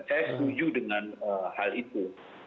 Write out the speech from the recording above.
saya setuju dengan hal itu